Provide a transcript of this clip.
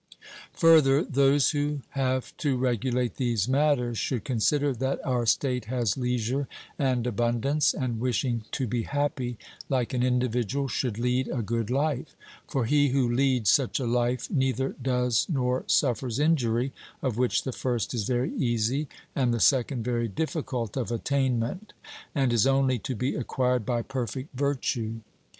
Further, those who have to regulate these matters should consider that our state has leisure and abundance, and wishing to be happy, like an individual, should lead a good life; for he who leads such a life neither does nor suffers injury, of which the first is very easy, and the second very difficult of attainment, and is only to be acquired by perfect virtue.